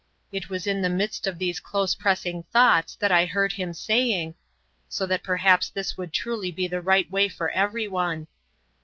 It was in the midst of these close pressing thoughts that I heard him saying: "So that perhaps this would truly be the right way for every one."